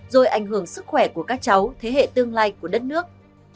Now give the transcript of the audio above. rồi ảnh hưởng sức khỏe của các cháu thế hệ tương lai của đất nước